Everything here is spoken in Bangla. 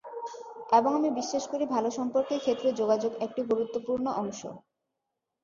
এবং আমি বিশ্বাস করি, ভালো সম্পর্কের ক্ষেত্রে যোগাযোগ একটি গুরুত্বপূর্ণ অংশ।